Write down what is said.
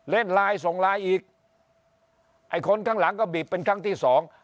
เล่นไลน์ส่งไลน์อีกไอ้คนข้างหลังก็บีบเป็นครั้งที่สอง